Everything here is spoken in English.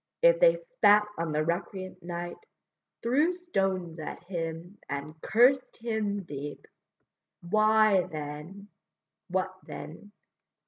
If they spat on the recreant knight, Threw stones at him, and cursed him deep, Why then: what then?